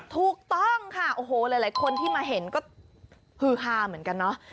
ถูกต้องค่ะโอ้โหหลายคนที่มาเห็นก็ฮือฮาเหมือนกันเนาะ